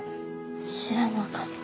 知らなかった。